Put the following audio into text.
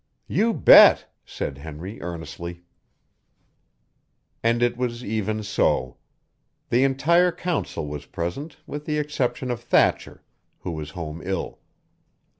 "You bet!" said Henry earnestly. And it was even so. The entire council was present with the exception of Thatcher, who was home ill.